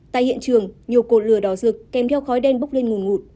tại hiện trường nhiều cột lửa đỏ rực kèm theo khói đen bốc lên ngùn ngụt